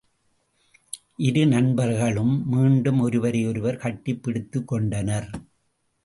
இரு நண்பர்களும் மீண்டும் ஒருவரை ஒருவர் கட்டிப் பிடித்துக் கொண்டனர்.